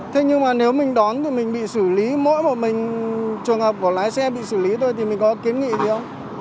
thế nhưng mà nếu mình đón thì mình bị xử lý mỗi một mình trường hợp của lái xe bị xử lý thôi thì mình có kiến nghị gì không